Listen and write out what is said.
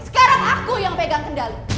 sekarang aku yang pegang kendali